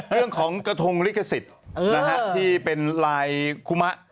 เรื่องของกระทงลิขสิทธิ์ที่เป็นลายคุมะ